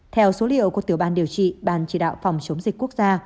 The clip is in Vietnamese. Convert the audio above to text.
theo số liệu của tiểu ban điều trị ban chỉ đạo phòng chống dịch quốc gia